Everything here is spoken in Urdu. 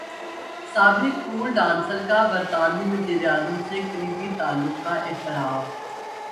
سابق پول ڈانسر کا برطانوی وزیراعظم سے قریبی تعلق کا اعتراف